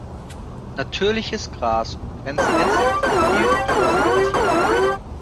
Natürliches Gras umgrenzt jetzt die FieldTurf-Oberfläche.